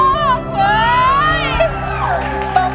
ร้องจาน